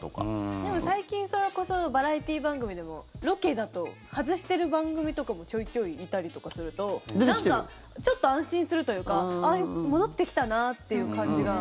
でも、最近それこそバラエティー番組でもロケだと外してる番組とかもちょいちょい、いたりとかするとなんかちょっと安心するというか戻ってきたなっていう感じが。